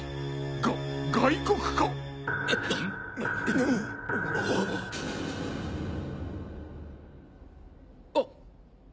が外国か⁉あっ。